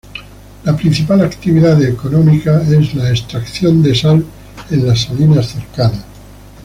La principal actividad económica es la extracción de sal en las salinas cercanas.